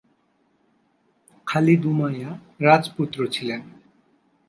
খালিদ উমাইয়া রাজপুত্র ছিলেন।